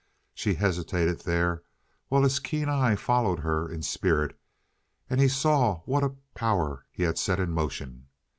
She hesitated there while his keen eye followed her in spirit, and he saw what a power he had set in motion.